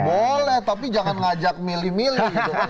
boleh tapi jangan ngajak milih milih